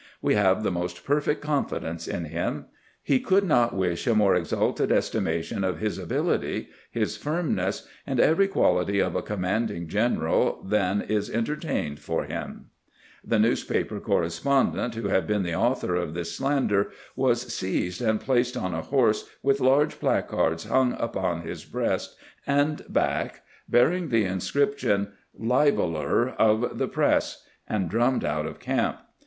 We have the most perfect confidence in him. He could not wish a more exalted estimation of his ability, his firmness, and every quality of a commanding general than is entertained for him." The newspaper correspondent who had been the author of this slander was seized and placed on a horse, with large placards hung upon his breast and back bearing the inscription, "Libeler of the Press," and drummed out of camp.